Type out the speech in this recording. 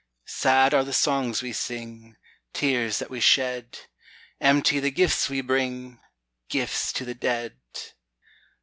Sad are the songs we sing, Tears that we shed, Empty the gifts we bring Gifts to the dead!